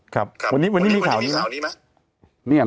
ครับวันนี้มีข่าวนี้ครับ